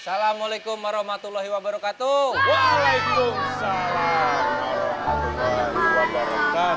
assalamualaikum warahmatullahi wabarakatuh waalaikumsalam